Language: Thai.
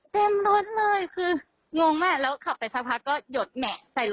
เสร็จออกก็ดี